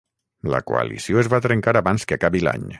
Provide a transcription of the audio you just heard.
La coalició es va trencar abans que acabi l'any.